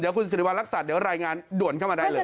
เดี๋ยวคุณสิริวัลลักษณ์ใดงานโดนเข้ามาได้เลย